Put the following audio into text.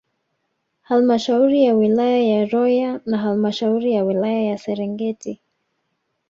Halmashauri ya Wilaya ya Rolya na Halmashauri ya wilaya ya Serengeti